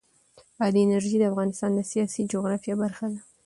بادي انرژي د افغانستان د سیاسي جغرافیه برخه ده.